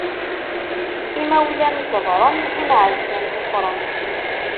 Imawlan ṣebṛen, imɛazzan kefṛen.